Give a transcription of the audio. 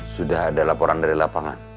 sudah ada laporan dari lapangan